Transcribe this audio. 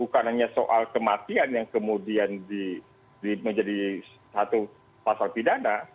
karena soal kematian yang kemudian menjadi satu pasal pidana